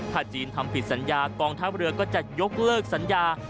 ถ้าจีนทำผิดสัญญากองทัพเรือก็จะยกเลิกสัญญา